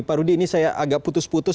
pak rudi ini saya agak putus putus